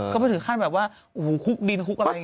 ก็ไม่ถึงขั้นแบบว่าโอ้โหคุกดินคุกอะไรอย่างนี้